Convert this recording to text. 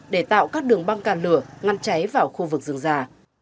để tạo các đường băng càn lửa ngăn cháy vào khu vực rừng già